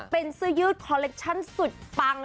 เป็นเสื้อยืดคอเลคชั่นสุดปัง